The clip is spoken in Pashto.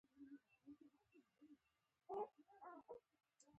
ځینو خلکو یو او بل ته ډیکې ورکولې.